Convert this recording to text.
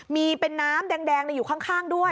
มีเป็นน้ำแดงอยู่ข้างด้วย